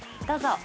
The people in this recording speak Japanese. どうぞ。